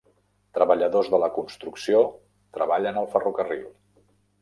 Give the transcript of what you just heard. Treballadors de la construcció treballen al ferrocarril.